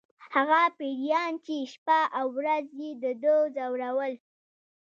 هغه پیریان چې شپه او ورځ یې د ده ځورول